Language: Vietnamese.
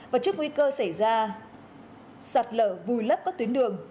và trước nguy cơ xảy ra sạt lở vùi lấp các tuyến đường